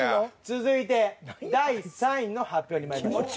続いて第３位の発表にまいりましょう。